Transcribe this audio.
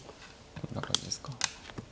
こんな感じですか。